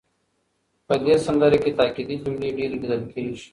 په دې سندره کې تاکېدي جملې ډېرې لیدل کېږي.